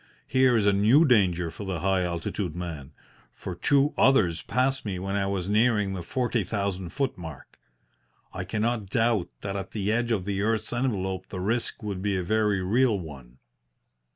Here is a new danger for the high altitude man, for two others passed me when I was nearing the forty thousand foot mark. I cannot doubt that at the edge of the earth's envelope the risk would be a very real one.